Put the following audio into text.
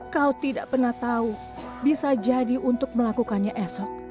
kau tidak pernah tahu bisa jadi untuk melakukannya esok